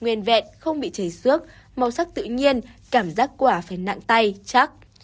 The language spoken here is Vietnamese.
nguyên vẹn không bị chảy xước màu sắc tự nhiên cảm giác quả phải nặng tay chắc